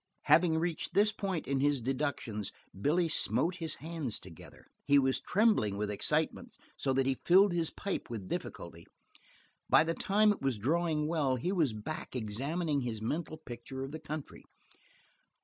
Having reached this point in his deductions, Billy smote his hands together. He was trembling with excitement so that he filled his pipe with difficulty. By the time it was drawing well he was back examining his mental picture of the country.